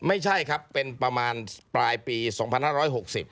ไม่ใช่ครับเป็นประมาณปลายปีสองพันห้าร้อยหกสิบ